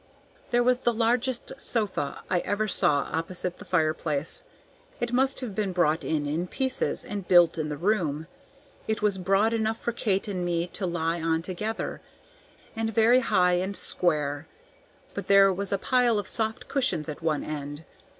There was the largest sofa I ever saw opposite the fireplace; it must have been brought in in pieces, and built in the room. It was broad enough for Kate and me to lie on together, and very high and square; but there was a pile of soft cushions at one end.